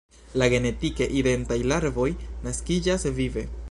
La genetike identaj larvoj naskiĝas vive.